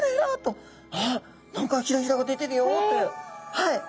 はい。